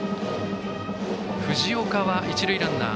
藤岡は一塁ランナー。